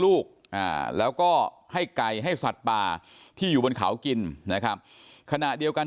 ลูกแล้วก็ให้ไก่ให้สัตว์ป่าที่อยู่บนเขากินนะครับขณะเดียวกัน